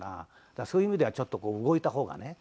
だからそういう意味ではちょっとこう動いた方がね